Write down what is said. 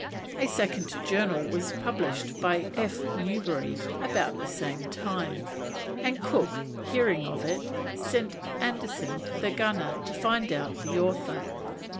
A second Journal was published by F. Newbery about the same time, and Cook hearing of it, sent Anderson, the gunner, to find out the author.